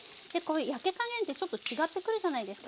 焼け加減ってちょっと違ってくるじゃないですか。